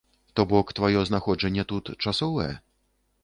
То бок тваё знаходжанне тут часовае?